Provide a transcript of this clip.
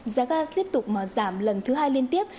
giá ca tiếp tục mở giảm lần thứ hai liên tiếp